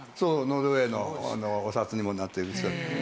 ノルウェーのお札にもなってるんですよ。